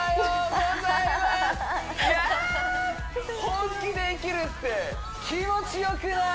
イエース本気で生きるって気持ちよくない？